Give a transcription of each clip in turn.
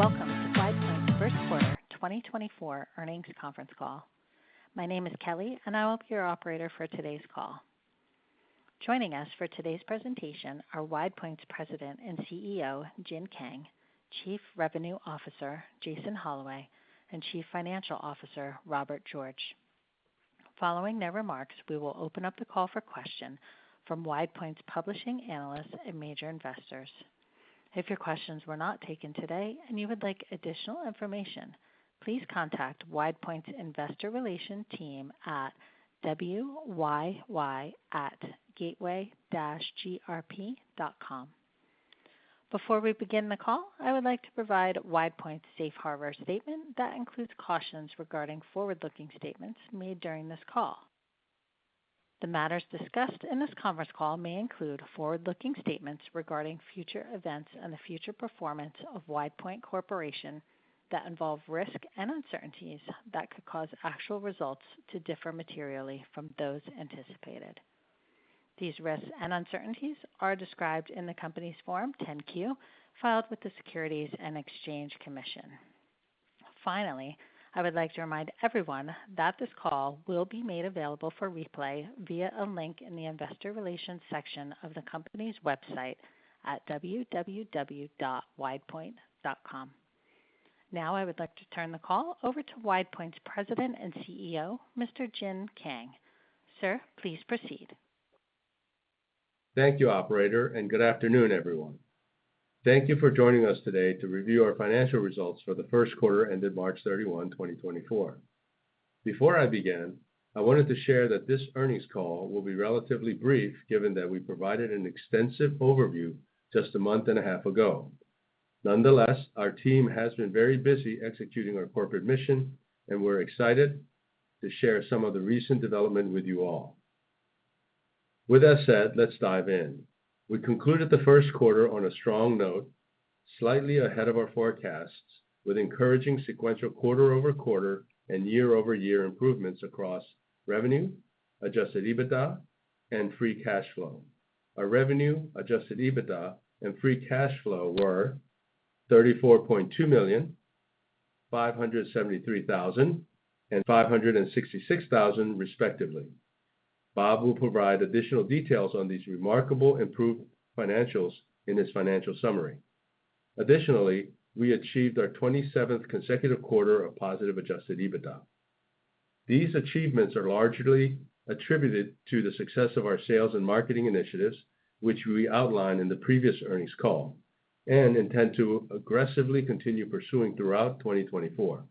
Good afternoon. Welcome to WidePoint's first quarter 2024 earnings conference call. My name is Kelly, and I'll be your operator for today's call. Joining us for today's presentation are WidePoint's President and CEO Jin Kang, Chief Revenue Officer Jason Holloway, and Chief Financial Officer Robert George. Following their remarks, we will open up the call for questions from WidePoint's publishing analysts and major investors. If your questions were not taken today and you would like additional information, please contact WidePoint's investor relations team at wyy@gateway-grp.com. Before we begin the call, I would like to provide WidePoint's safe harbor statement that includes cautions regarding forward-looking statements made during this call. The matters discussed in this conference call may include forward-looking statements regarding future events and the future performance of WidePoint Corporation that involve risk and uncertainties that could cause actual results to differ materially from those anticipated. These risks and uncertainties are described in the company's Form 10-Q filed with the Securities and Exchange Commission. Finally, I would like to remind everyone that this call will be made available for replay via a link in the investor relations section of the company's website at www.widepoint.com. Now I would like to turn the call over to WidePoint's President and CEO, Mr. Jin Kang. Sir, please proceed. Thank you, operator, and good afternoon, everyone. Thank you for joining us today to review our financial results for the first quarter ended March 31, 2024. Before I begin, I wanted to share that this earnings call will be relatively brief given that we provided an extensive overview just a month and a half ago. Nonetheless, our team has been very busy executing our corporate mission, and we're excited to share some of the recent development with you all. With that said, let's dive in. We concluded the first quarter on a strong note, slightly ahead of our forecasts, with encouraging sequential quarter-over-quarter and year-over-year improvements across revenue, adjusted EBITDA, and free cash flow. Our revenue, adjusted EBITDA, and free cash flow were $34.2 million, $573,000, and $566,000, respectively. Bob will provide additional details on these remarkable improved financials in his financial summary. Additionally, we achieved our 27th consecutive quarter of positive adjusted EBITDA. These achievements are largely attributed to the success of our sales and marketing initiatives, which we outlined in the previous earnings call, and intend to aggressively continue pursuing throughout 2024.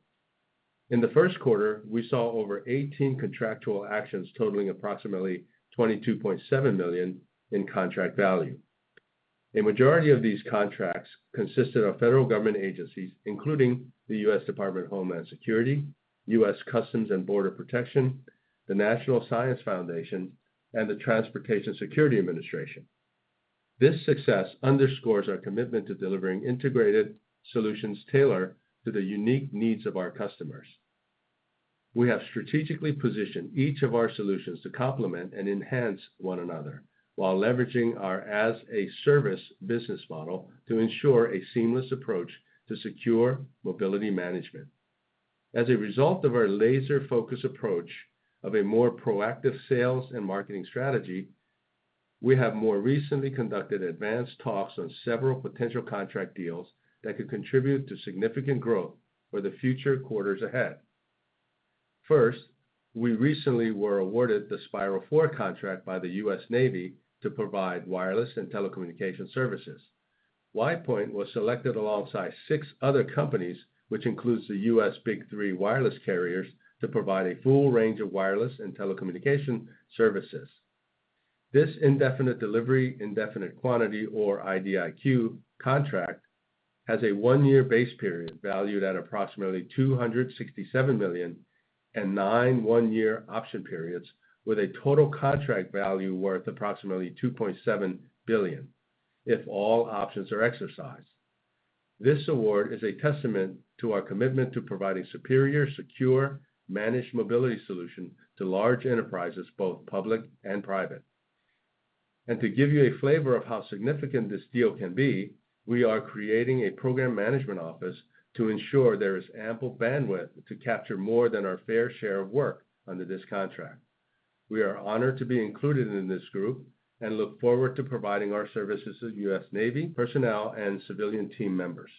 In the first quarter, we saw over 18 contractual actions totaling approximately $22.7 million in contract value. A majority of these contracts consisted of federal government agencies, including the U.S. Department of Homeland Security, U.S. Customs and Border Protection, the National Science Foundation, and the Transportation Security Administration. This success underscores our commitment to delivering integrated solutions tailored to the unique needs of our customers. We have strategically positioned each of our solutions to complement and enhance one another while leveraging our as-a-service business model to ensure a seamless approach to secure mobility management. As a result of our laser-focused approach of a more proactive sales and marketing strategy, we have more recently conducted advanced talks on several potential contract deals that could contribute to significant growth for the future quarters ahead. First, we recently were awarded the Spiral 4 contract by the U.S. Navy to provide wireless and telecommunication services. WidePoint was selected alongside six other companies, which includes the U.S. Big Three wireless carriers, to provide a full range of wireless and telecommunication services. This indefinite delivery, indefinite quantity, or IDIQ contract has a one-year base period valued at approximately $267 million and nine one-year option periods with a total contract value worth approximately $2.7 billion if all options are exercised. This award is a testament to our commitment to providing superior, secure, managed mobility solutions to large enterprises, both public and private. To give you a flavor of how significant this deal can be, we are creating a program management office to ensure there is ample bandwidth to capture more than our fair share of work under this contract. We are honored to be included in this group and look forward to providing our services to the U.S. Navy, personnel, and civilian team members.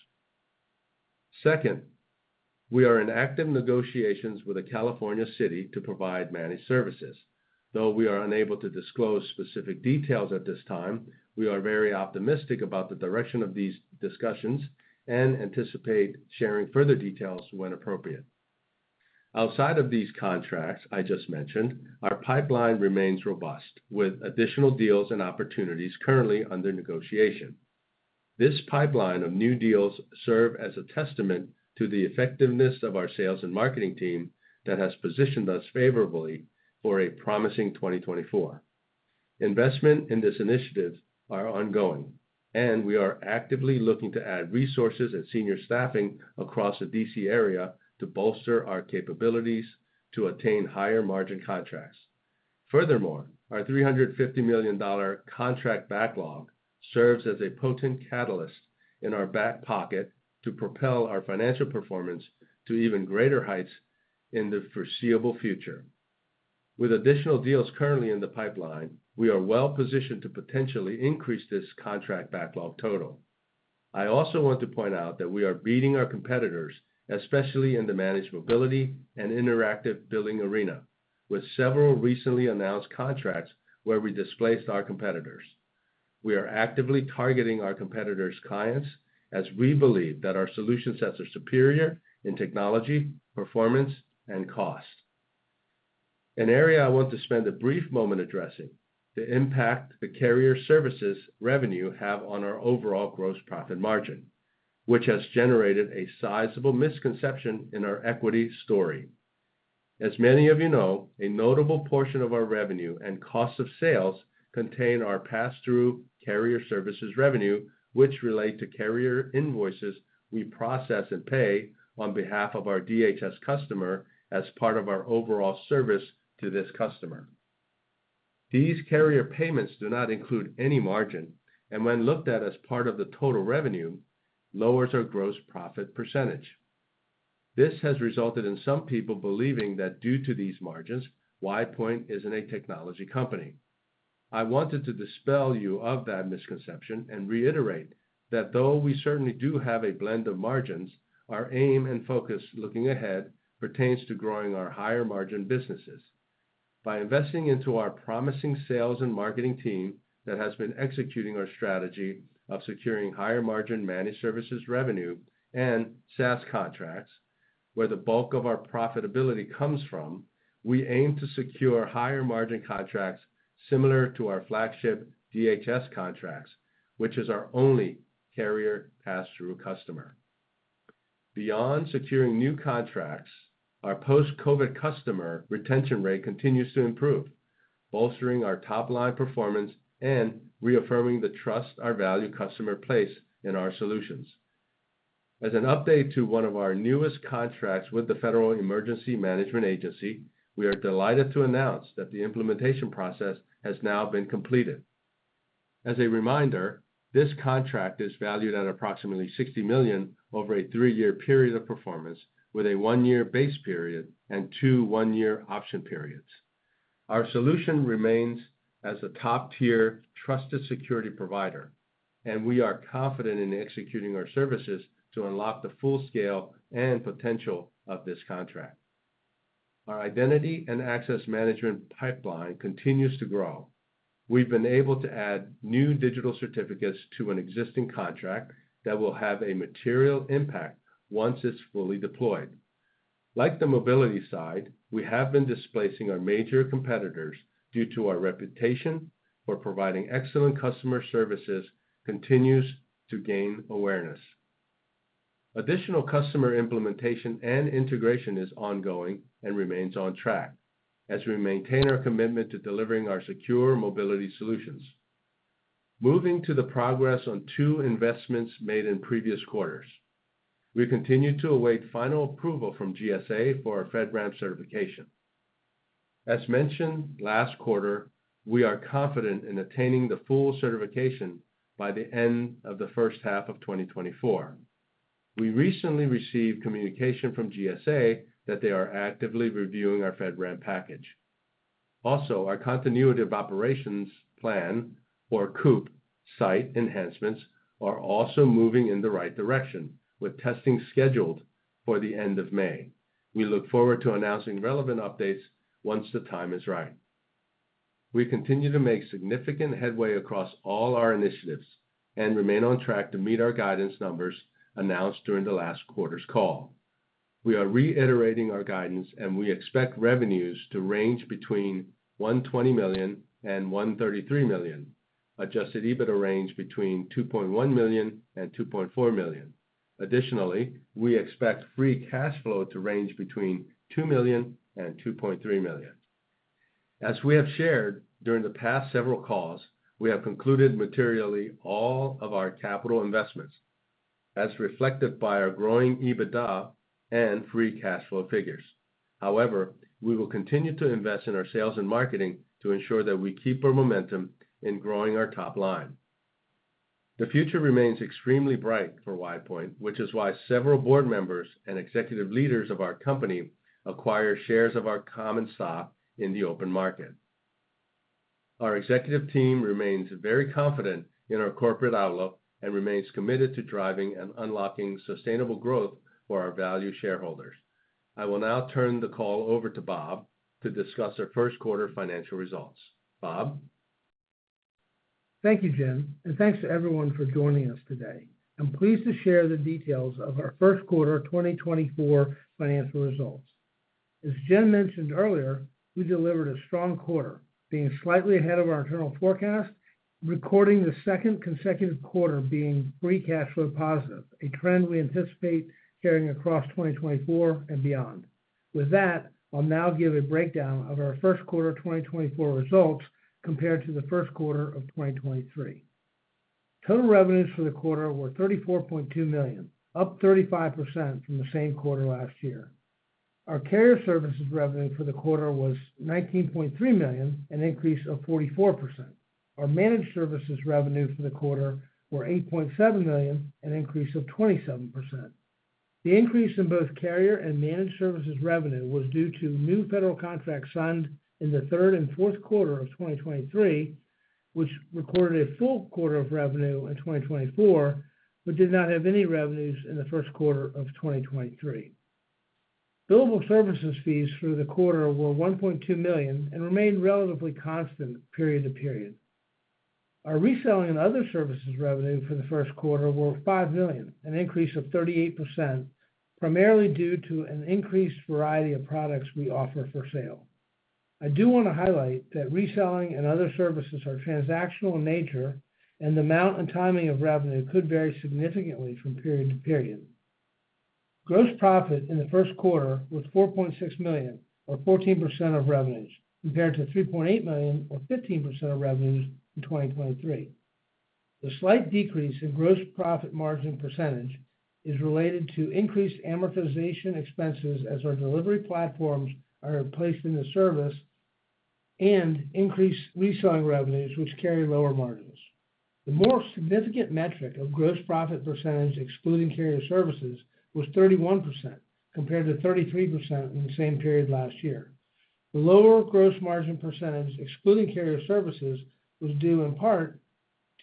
Second, we are in active negotiations with a California city to provide Managed Services. Though we are unable to disclose specific details at this time, we are very optimistic about the direction of these discussions and anticipate sharing further details when appropriate. Outside of these contracts I just mentioned, our pipeline remains robust, with additional deals and opportunities currently under negotiation. This pipeline of new deals serves as a testament to the effectiveness of our sales and marketing team that has positioned us favorably for a promising 2024. Investment in this initiative is ongoing, and we are actively looking to add resources and senior staffing across the D.C. area to bolster our capabilities to attain higher margin contracts. Furthermore, our $350 million contract backlog serves as a potent catalyst in our back pocket to propel our financial performance to even greater heights in the foreseeable future. With additional deals currently in the pipeline, we are well positioned to potentially increase this contract backlog total. I also want to point out that we are beating our competitors, especially in the managed mobility and interactive billing arena, with several recently announced contracts where we displaced our competitors. We are actively targeting our competitors' clients as we believe that our solution sets are superior in technology, performance, and cost. An area I want to spend a brief moment addressing is the impact the Carrier Services revenue has on our overall gross profit margin, which has generated a sizable misconception in our equity story. As many of you know, a notable portion of our revenue and cost of sales contain our pass-through Carrier Services revenue, which relate to carrier invoices we process and pay on behalf of our DHS customer as part of our overall service to this customer. These carrier payments do not include any margin, and when looked at as part of the total revenue, lowers our gross profit percentage. This has resulted in some people believing that due to these margins, WidePoint isn't a technology company. I wanted to dispel you of that misconception and reiterate that though we certainly do have a blend of margins, our aim and focus looking ahead pertains to growing our higher-margin businesses. By investing into our promising sales and marketing team that has been executing our strategy of securing higher-margin Managed Services revenue and SaaS contracts, where the bulk of our profitability comes from, we aim to secure higher margin contracts similar to our flagship DHS contracts, which is our only carrier pass-through customer. Beyond securing new contracts, our post-COVID customer retention rate continues to improve, bolstering our top-line performance and reaffirming the trust our valued customer places in our solutions. As an update to one of our newest contracts with the Federal Emergency Management Agency, we are delighted to announce that the implementation process has now been completed. As a reminder, this contract is valued at approximately $60 million over a three-year period of performance with a one-year base period and two one-year option periods. Our solution remains as a top-tier trusted security provider, and we are confident in executing our services to unlock the full scale and potential of this contract. Our identity and access management pipeline continues to grow. We've been able to add new digital certificates to an existing contract that will have a material impact once it's fully deployed. Like the mobility side, we have been displacing our major competitors due to our reputation for providing excellent customer services continues to gain awareness. Additional customer implementation and integration is ongoing and remains on track as we maintain our commitment to delivering our secure mobility solutions. Moving to the progress on 2 investments made in previous quarters. We continue to await final approval from GSA for our FedRAMP certification. As mentioned last quarter, we are confident in attaining the full certification by the end of the first half of 2024. We recently received communication from GSA that they are actively reviewing our FedRAMP package. Also, our Continuity of Operations Plan, or COOP, site enhancements are also moving in the right direction, with testing scheduled for the end of May. We look forward to announcing relevant updates once the time is right. We continue to make significant headway across all our initiatives and remain on track to meet our guidance numbers announced during the last quarter's call. We are reiterating our guidance, and we expect revenues to range between $120 million and $133 million, adjusted EBITDA range between $2.1 million and $2.4 million. Additionally, we expect free cash flow to range between $2 million and $2.3 million. As we have shared during the past several calls, we have concluded materially all of our capital investments, as reflected by our growing EBITDA and free cash flow figures. However, we will continue to invest in our sales and marketing to ensure that we keep our momentum in growing our top line. The future remains extremely bright for WidePoint, which is why several board members and executive leaders of our company acquire shares of our common stock in the open market. Our executive team remains very confident in our corporate outlook and remains committed to driving and unlocking sustainable growth for our value shareholders. I will now turn the call over to Bob to discuss our first quarter financial results. Bob? Thank you, Jin, and thanks to everyone for joining us today. I'm pleased to share the details of our first quarter 2024 financial results. As Jin mentioned earlier, we delivered a strong quarter, being slightly ahead of our internal forecast, recording the second consecutive quarter being free cash flow positive, a trend we anticipate carrying across 2024 and beyond. With that, I'll now give a breakdown of our first quarter 2024 results compared to the first quarter of 2023. Total revenues for the quarter were $34.2 million, up 35% from the same quarter last year. Our Carrier Services revenue for the quarter was $19.3 million, an increase of 44%. Our Managed Services revenue for the quarter was $8.7 million, an increase of 27%. The increase in both carrier and Managed Services revenue was due to new federal contracts signed in the third and fourth quarter of 2023, which recorded a full quarter of revenue in 2024 but did not have any revenues in the first quarter of 2023. Billable services fees for the quarter were $1.2 million and remained relatively constant period to period. Our reselling and other services revenue for the first quarter was $5 million, an increase of 38%, primarily due to an increased variety of products we offer for sale. I do want to highlight that reselling and other services are transactional in nature, and the amount and timing of revenue could vary significantly from period to period. Gross profit in the first quarter was $4.6 million, or 14% of revenues, compared to $3.8 million, or 15% of revenues in 2023. The slight decrease in gross profit margin percentage is related to increased amortization expenses as our delivery platforms are replaced in the service and increased reselling revenues, which carry lower margins. The more significant metric of gross profit percentage excluding Carrier Services was 31%, compared to 33% in the same period last year. The lower gross margin percentage excluding Carrier Services was due in part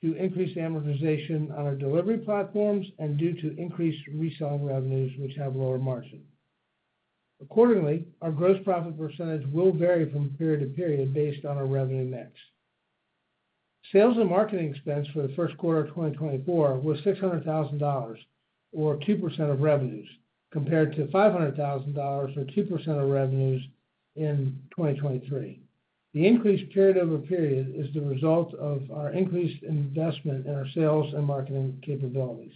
to increased amortization on our delivery platforms and due to increased reselling revenues, which have lower margin. Accordingly, our gross profit percentage will vary from period to period based on our revenue mix. Sales and marketing expense for the first quarter of 2024 was $600,000, or 2% of revenues, compared to $500,000, or 2% of revenues in 2023. The increased period-over-period is the result of our increased investment in our sales and marketing capabilities.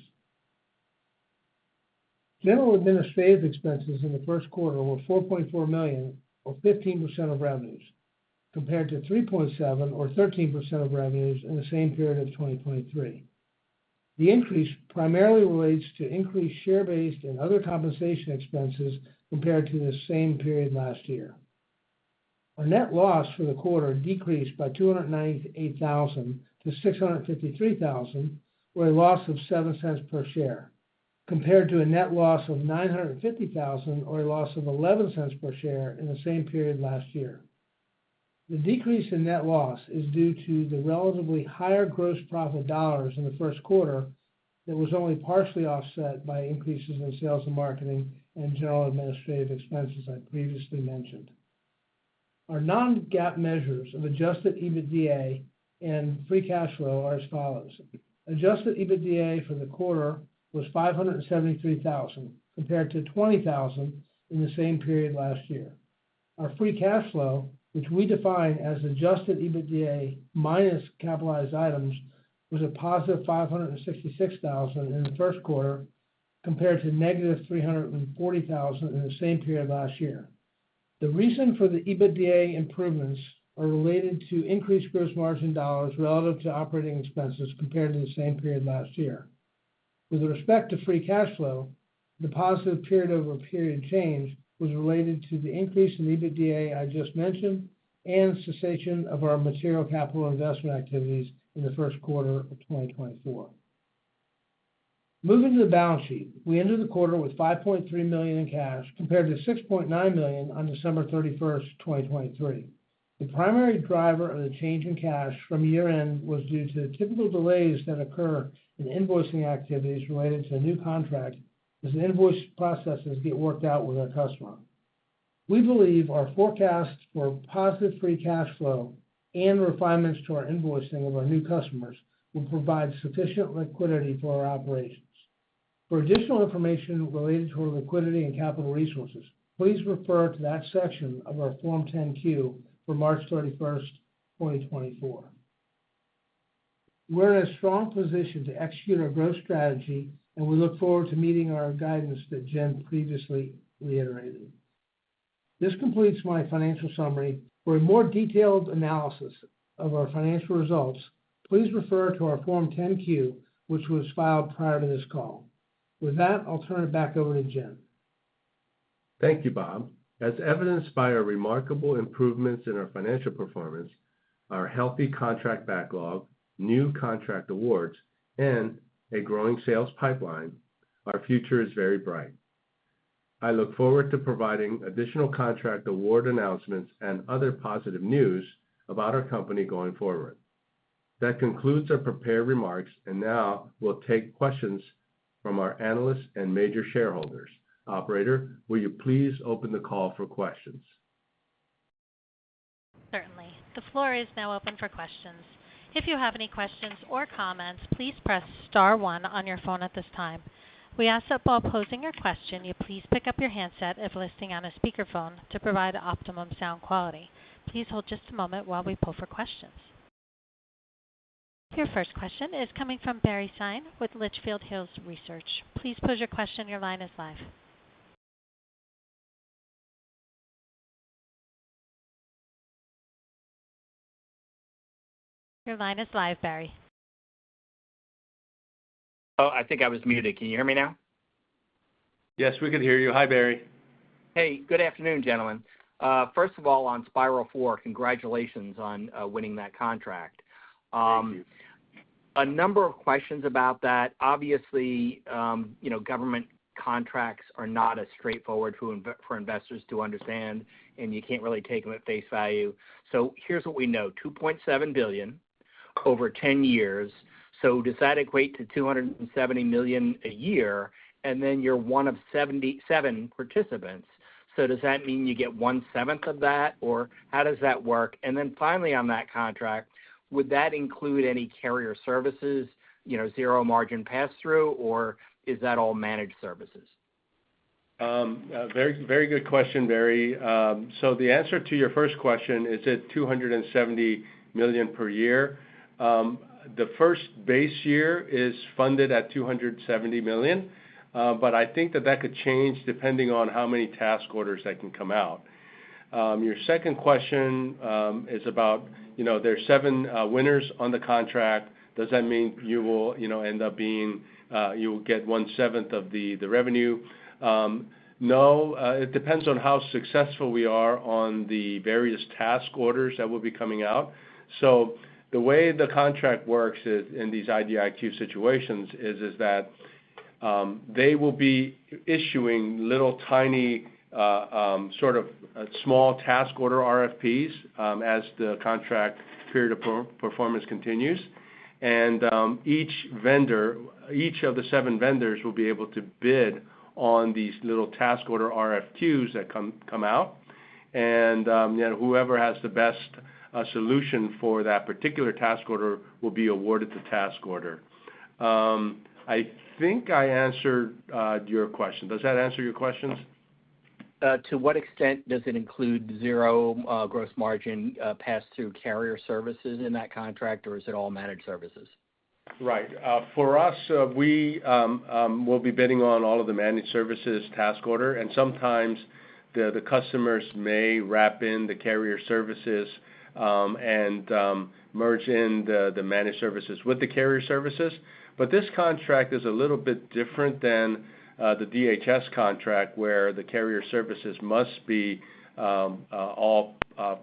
General administrative expenses in the first quarter were $4.4 million, or 15% of revenues, compared to $3.7 million, or 13% of revenues in the same period of 2023. The increase primarily relates to increased share-based and other compensation expenses compared to the same period last year. Our net loss for the quarter decreased by $298,000 to $653,000, or a loss of $0.07 per share, compared to a net loss of $950,000, or a loss of $0.11 per share in the same period last year. The decrease in net loss is due to the relatively higher gross profit dollars in the first quarter that was only partially offset by increases in sales and marketing and general administrative expenses I previously mentioned. Our non-GAAP measures of adjusted EBITDA and free cash flow are as follows. adjusted EBITDA for the quarter was $573,000, compared to $20,000 in the same period last year. Our free cash flow, which we define as adjusted EBITDA minus capitalized items, was a positive $566,000 in the first quarter, compared to -$340,000 in the same period last year. The reason for the EBITDA improvements is related to increased gross margin dollars relative to operating expenses compared to the same period last year. With respect to free cash flow, the positive period-over-period change was related to the increase in EBITDA I just mentioned and cessation of our material capital investment activities in the first quarter of 2024. Moving to the balance sheet, we ended the quarter with $5.3 million in cash, compared to $6.9 million on December 31, 2023. The primary driver of the change in cash from year-end was due to typical delays that occur in invoicing activities related to a new contract as the invoice processes get worked out with our customer. We believe our forecast for positive free cash flow and refinements to our invoicing of our new customers will provide sufficient liquidity for our operations. For additional information related to our liquidity and capital resources, please refer to that section of our Form 10-Q for March 31, 2024. We're in a strong position to execute our growth strategy, and we look forward to meeting our guidance that Jin previously reiterated. This completes my financial summary. For a more detailed analysis of our financial results, please refer to our Form 10-Q, which was filed prior to this call. With that, I'll turn it back over to Jin. Thank you, Bob. As evidenced by our remarkable improvements in our financial performance, our healthy contract backlog, new contract awards, and a growing sales pipeline, our future is very bright. I look forward to providing additional contract award announcements and other positive news about our company going forward. That concludes our prepared remarks, and now we'll take questions from our analysts and major shareholders. Operator, will you please open the call for questions? Certainly. The floor is now open for questions. If you have any questions or comments, please press star one on your phone at this time. We ask that while posing your question, you please pick up your handset if listening on a speakerphone to provide optimum sound quality. Please hold just a moment while we pull for questions. Your first question is coming from Barry Sine with Litchfield Hills Research. Please pose your question. Your line is live. Your line is live, Barry. Oh, I think I was muted. Can you hear me now? Yes, we can hear you. Hi, Barry. Hey. Good afternoon, gentlemen. First of all, on Spiral 4, congratulations on winning that contract. Thank you. A number of questions about that. Obviously, government contracts are not straightforward for investors to understand, and you can't really take them at face value. So here's what we know: $2.7 billion over 10 years. So does that equate to $270 million a year? And then you're one of 77 participants. So does that mean you get 1/7 of that, or how does that work? And then finally, on that contract, would that include any Carrier Services, zero margin pass-through, or is that all Managed Services? Very good question, Barry. So the answer to your first question, is it $270 million per year? The first base year is funded at $270 million, but I think that that could change depending on how many task orders that can come out. Your second question is about there are seven winners on the contract. Does that mean you will end up being you will get 1/7 of the revenue? No. It depends on how successful we are on the various task orders that will be coming out. So the way the contract works in these IDIQ situations is that they will be issuing little tiny sort of small task order RFPs as the contract period of performance continues. And each of the seven vendors will be able to bid on these little task order RFQs that come out. Whoever has the best solution for that particular task order will be awarded the task order. I think I answered your question. Does that answer your questions? To what extent does it include zero gross margin pass-through Carrier Services in that contract, or is it all Managed Services? Right. For us, we will be bidding on all of the Managed Services task order. Sometimes the customers may wrap in the Carrier Services and merge in the Managed Services with the Carrier Services. But this contract is a little bit different than the DHS contract, where the Carrier Services must be all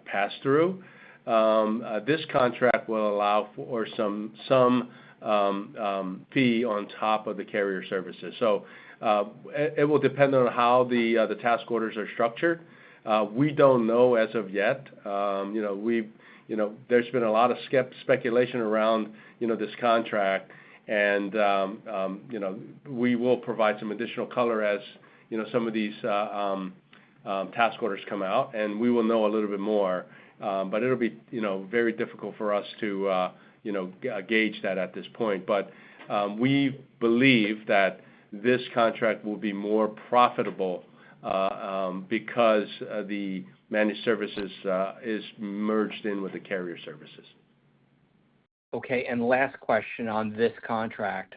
pass-through. This contract will allow for some fee on top of the Carrier Services. It will depend on how the task orders are structured. We don't know as of yet. There's been a lot of speculation around this contract. We will provide some additional color as some of these task orders come out. We will know a little bit more. It'll be very difficult for us to gauge that at this point. We believe that this contract will be more profitable because the Managed Services is merged in with the Carrier Services. Okay. And last question on this contract.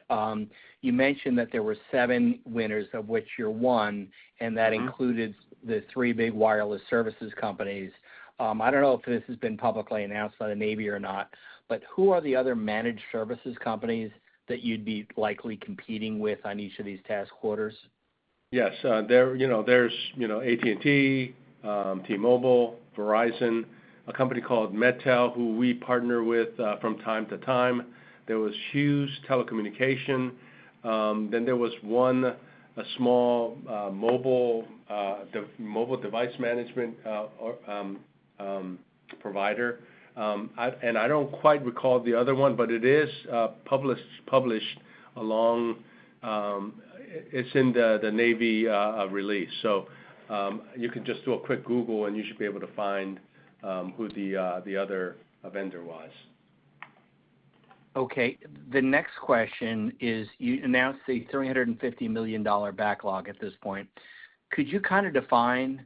You mentioned that there were seven winners, of which you're one, and that included the three big wireless services companies. I don't know if this has been publicly announced by the Navy or not, but who are the other managed services companies that you'd be likely competing with on each of these task orders? Yes. There's AT&T, T-Mobile, Verizon, a company called MetTel who we partner with from time to time. There was Hughes Network Systems. Then there was one, a small mobile device management provider. And I don't quite recall the other one, but it is published along; it's in the Navy release. So you can just do a quick Google, and you should be able to find who the other vendor was. Okay. The next question is you announced the $350 million backlog at this point. Could you kind of define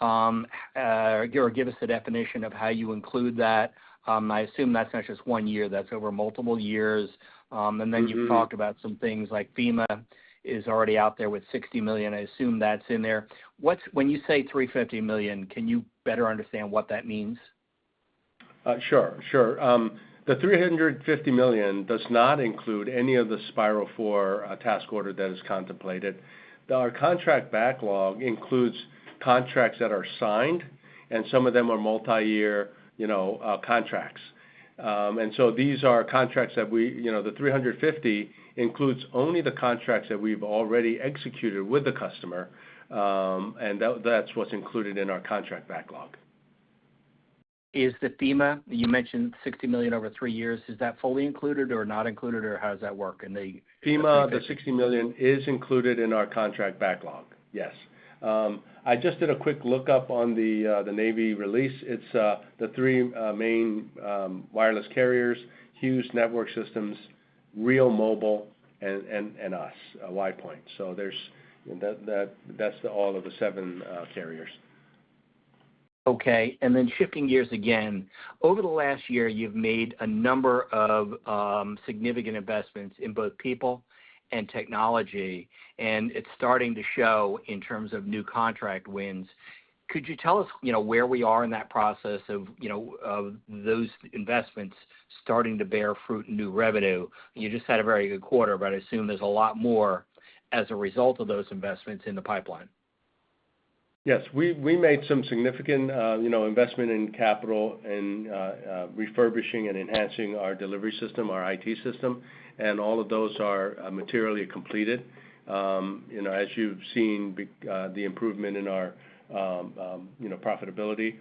or give us a definition of how you include that? I assume that's not just one year. That's over multiple years. And then you've talked about some things like FEMA is already out there with $60 million. I assume that's in there. When you say $350 million, can you better understand what that means? Sure. Sure. The $350 million does not include any of the Spiral 4 task order that is contemplated. Our contract backlog includes contracts that are signed, and some of them are multi-year contracts. And so these are contracts that the $350 million includes only the contracts that we've already executed with the customer, and that's what's included in our contract backlog. Is the FEMA you mentioned $60 million over three years? Is that fully included or not included, or how does that work? And the. FEMA, the $60 million is included in our contract backlog. Yes. I just did a quick lookup on the Navy release. It's the three main wireless carriers: Hughes Network Systems, REAL Mobile, and us, WidePoint. So that's all of the seven carriers. Okay. And then shifting gears again, over the last year, you've made a number of significant investments in both people and technology, and it's starting to show in terms of new contract wins. Could you tell us where we are in that process of those investments starting to bear fruit in new revenue? You just had a very good quarter, but I assume there's a lot more as a result of those investments in the pipeline. Yes. We made some significant investment in capital and refurbishing and enhancing our delivery system, our IT system. All of those are materially completed, as you've seen the improvement in our profitability.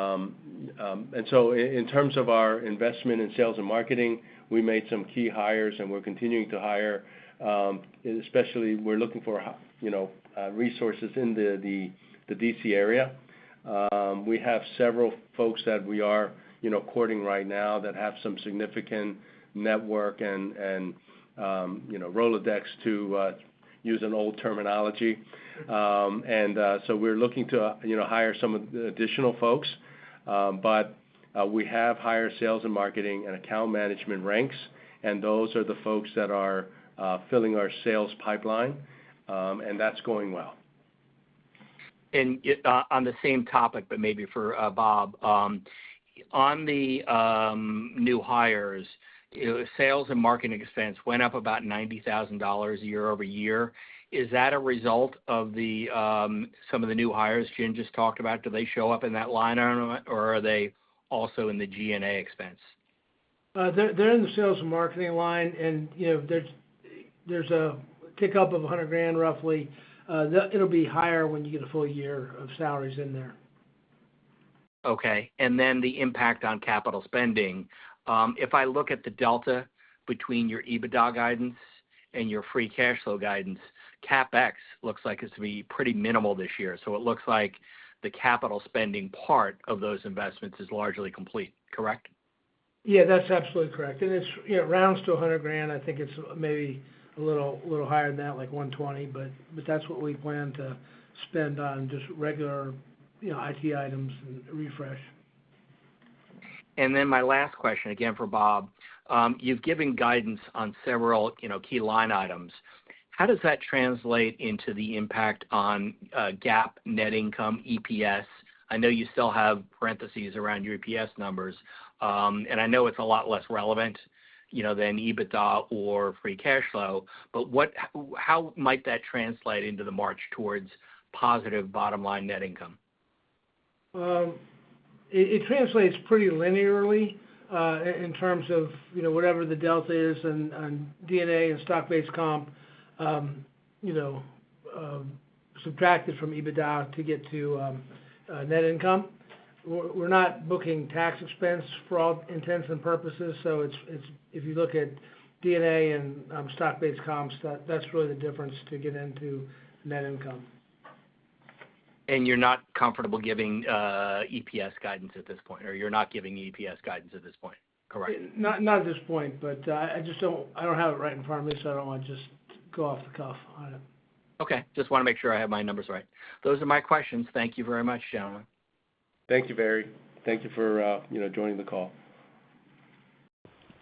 So in terms of our investment in sales and marketing, we made some key hires, and we're continuing to hire. Especially, we're looking for resources in the D.C. area. We have several folks that we are courting right now that have some significant network and Rolodex, to use an old terminology. So we're looking to hire some additional folks. But we have higher sales and marketing and account management ranks, and those are the folks that are filling our sales pipeline, and that's going well. On the same topic, but maybe for Bob, on the new hires, sales and marketing expense went up about $90,000 year-over-year. Is that a result of some of the new hires Jin just talked about? Do they show up in that line, or are they also in the G&A expense? They're in the sales and marketing line, and there's a kickup of $100,000, roughly. It'll be higher when you get a full year of salaries in there. Okay. And then the impact on capital spending. If I look at the delta between your EBITDA guidance and your free cash flow guidance, CapEx looks like it's to be pretty minimal this year. So it looks like the capital spending part of those investments is largely complete, correct? Yeah, that's absolutely correct. It rounds to $100,000. I think it's maybe a little higher than that, like $120,000, but that's what we plan to spend on just regular IT items and refresh. Then my last question, again for Bob. You've given guidance on several key line items. How does that translate into the impact on GAAP net income, EPS? I know you still have parentheses around your EPS numbers, and I know it's a lot less relevant than EBITDA or free cash flow, but how might that translate into the march towards positive bottom-line net income? It translates pretty linearly in terms of whatever the delta is on D&A and stock-based comp subtracted from EBITDA to get to net income. We're not booking tax expense for all intents and purposes. So if you look at D&A and stock-based comps, that's really the difference to get into net income. You're not comfortable giving EPS guidance at this point, or you're not giving EPS guidance at this point, correct? Not at this point, but I don't have it right in front of me, so I don't want to just go off the cuff on it. Okay. Just want to make sure I have my numbers right. Those are my questions. Thank you very much, gentlemen. Thank you, Barry. Thank you for joining the call.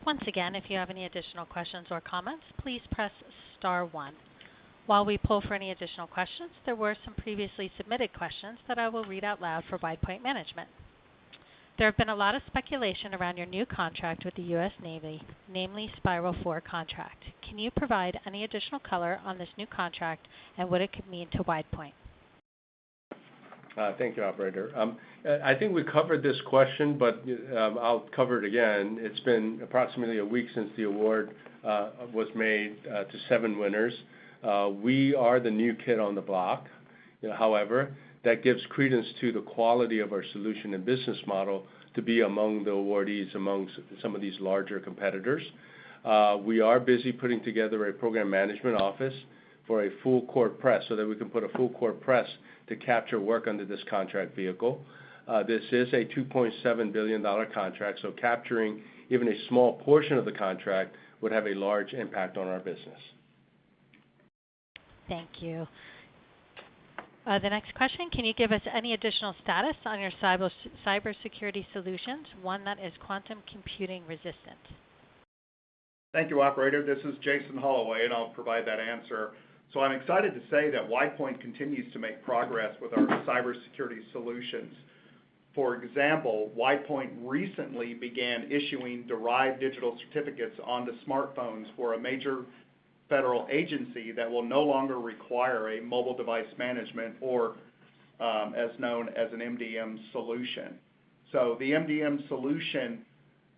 Once again, if you have any additional questions or comments, please press star one. While we poll for any additional questions, there were some previously submitted questions that I will read out loud for WidePoint management. There have been a lot of speculation around your new contract with the U.S. Navy, namely Spiral 4 contract. Can you provide any additional color on this new contract and what it could mean to WidePoint? Thank you, Operator. I think we covered this question, but I'll cover it again. It's been approximately a week since the award was made to seven winners. We are the new kid on the block. However, that gives credence to the quality of our solution and business model to be among the awardees among some of these larger competitors. We are busy putting together a program management office for a full-court press so that we can put a full-court press to capture work under this contract vehicle. This is a $2.7 billion contract, so capturing even a small portion of the contract would have a large impact on our business. Thank you. The next question. Can you give us any additional status on your cybersecurity solutions, one that is quantum computing-resistant? Thank you, Operator. This is Jason Holloway, and I'll provide that answer. So I'm excited to say that WidePoint continues to make progress with our cybersecurity solutions. For example, WidePoint recently began issuing derived digital certificates onto smartphones for a major federal agency that will no longer require a mobile device management or, as known as an MDM, solution. So the MDM solution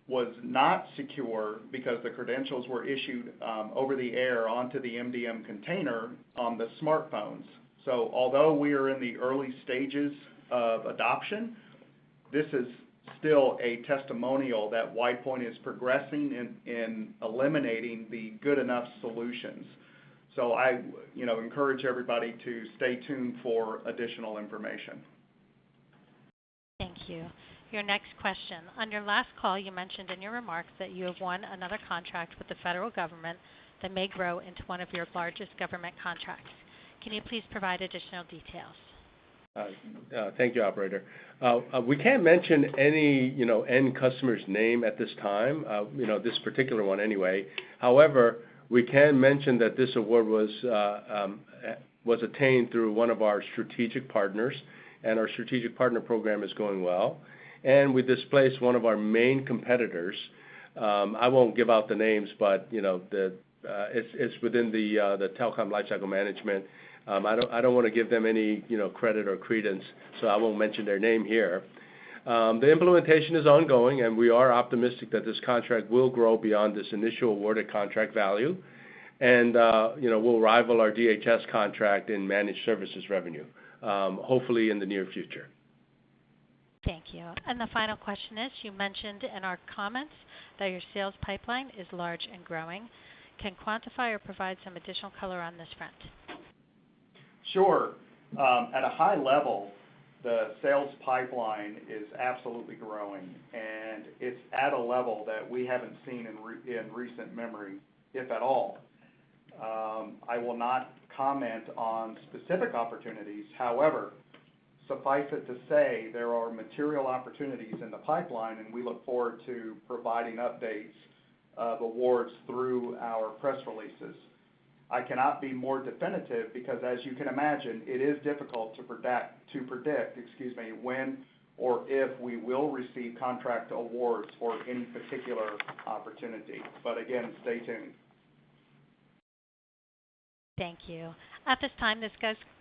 was not secure because the credentials were issued over the air onto the MDM container on the smartphones. So although we are in the early stages of adoption, this is still a testimonial that WidePoint is progressing in eliminating the good enough solutions. So I encourage everybody to stay tuned for additional information. Thank you. Your next question. On your last call, you mentioned in your remarks that you have won another contract with the federal government that may grow into one of your largest government contracts. Can you please provide additional details? Thank you, Operator. We can't mention any end customer's name at this time, this particular one anyway. However, we can mention that this award was attained through one of our strategic partners, and our strategic partner program is going well. We displaced one of our main competitors. I won't give out the names, but it's within the telecom lifecycle management. I don't want to give them any credit or credence, so I won't mention their name here. The implementation is ongoing, and we are optimistic that this contract will grow beyond this initial awarded contract value. We'll rival our DHS contract in Managed Services revenue, hopefully in the near future. Thank you. The final question is, you mentioned in our comments that your sales pipeline is large and growing. Can you quantify or provide some additional color on this front? Sure. At a high level, the sales pipeline is absolutely growing, and it's at a level that we haven't seen in recent memory, if at all. I will not comment on specific opportunities. However, suffice it to say there are material opportunities in the pipeline, and we look forward to providing updates of awards through our press releases. I cannot be more definitive because, as you can imagine, it is difficult to predict when or if we will receive contract awards for any particular opportunity. But again, stay tuned. Thank you. At this time, this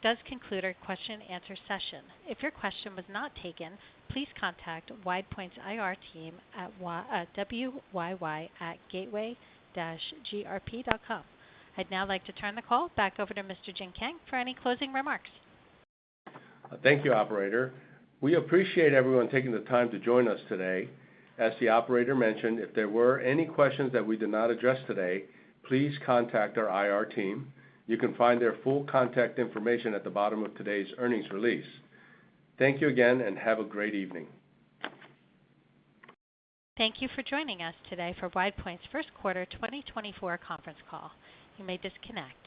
does conclude our question-and-answer session. If your question was not taken, please contact WidePoint's IR team at wyy@gateway-grp.com. I'd now like to turn the call back over to Mr. Jin Kang for any closing remarks. Thank you, Operator. We appreciate everyone taking the time to join us today. As the Operator mentioned, if there were any questions that we did not address today, please contact our IR team. You can find their full contact information at the bottom of today's earnings release. Thank you again, and have a great evening. Thank you for joining us today for WidePoint's first quarter 2024 conference call. You may disconnect.